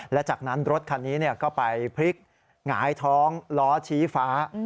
และจากนั้นรถคันนี้ก็ไปพลิกหงายท้องล้อชี้ฟ้า